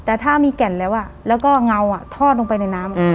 แต่ถ้ามีแก่นแล้วแล้วก็เงาทอดลงไปในน้ำ